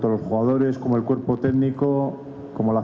tapi sama ada pemain kakak teknik dan penonton